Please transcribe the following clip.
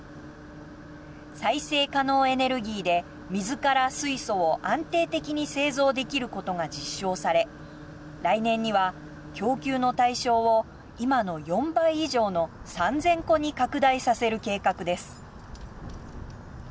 再生可能エネルギーで水から水素を安定的に製造できることが実証され来年には供給の対象を今の４倍以上の３０００戸に拡大させる計画です。